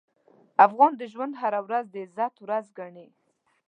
افغان د ژوند هره ورځ د عزت ورځ ګڼي.